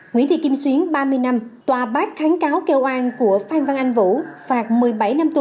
nguyễn thị kim xuyến ba mươi năm tòa bác kháng cáo kêu an của phan văn anh vũ phạt một mươi bảy năm tù